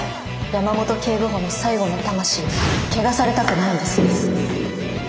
山本警部補の最後の魂を汚されたくないんです。